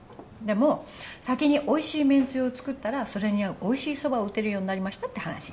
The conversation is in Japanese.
でも先においしい麺つゆを作ったらそれに合うおいしいそばを打てるようになりましたって話。